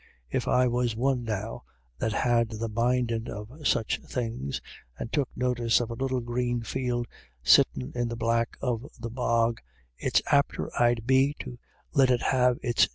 If I was one, now, that had the mindin' of such things, and took notice of a little green field sittin' in the black o' the bog, it's apter I'd be to let it have its